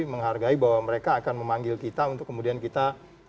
menghargai bahwa mereka akan memanggil kita untuk kemudian kita